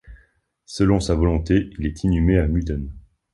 Selon sa volonté, il est inhumé à Müden.